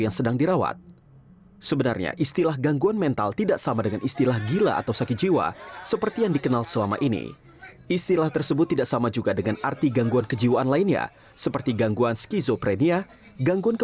namun memang berhalangan hadir ke